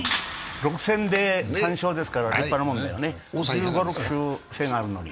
６戦で３勝ですから立派なもんだね。